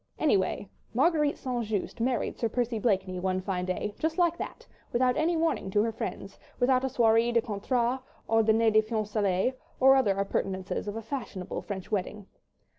Anyway, Marguerite St. Just married Sir Percy Blakeney one fine day, just like that, without any warning to her friends, without a soirée de contrat or dîner de fiançailles or other appurtenances of a fashionable French wedding.